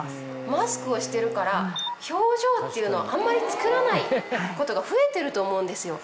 マスクをしてるから表情っていうのをあんまり作らないことが増えてると思うんですよ。